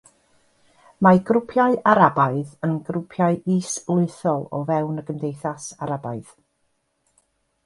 Mae grwpiau Arabaidd yn grwpiau is-llwythol o fewn y gymdeithas Arabaidd.